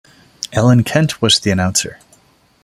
Alan Kent was the announcer.